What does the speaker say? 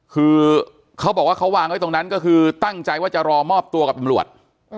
คือเขาบอกว่าเขาวางไว้ตรงนั้นก็คือตั้งใจว่าจะรอมอบตัวกับตำรวจ